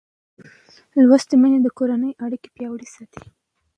لوستې مور د کورنۍ اړیکې پیاوړې کوي.